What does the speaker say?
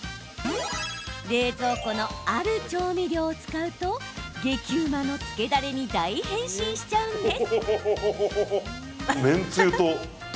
冷蔵庫のある調味料を使うと激うまのつけだれに大変身しちゃうんです。